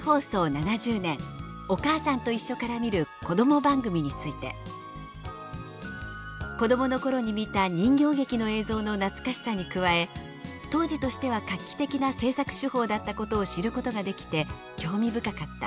７０年「おかあさんといっしょから見るこども番組」について「子供の頃に見た人形劇の映像の懐かしさに加え当時としては画期的な制作手法だったことを知ることができて興味深かった」